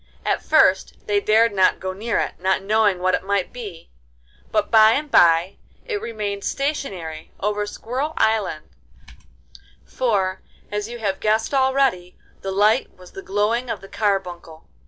At first they dared not go near it, not knowing what it might be, but by and by it remained stationary over Squirrel Island, for, as you have guessed already, the light was the glowing of the carbuncle.